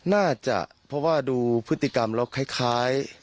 น่าจะเพราะว่าดูพฤติกรรมแล้วคล้าย